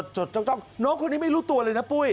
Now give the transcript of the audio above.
จดจ้องน้องคนนี้ไม่รู้ตัวเลยนะปุ้ย